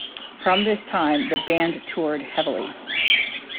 From this time the band toured heavily.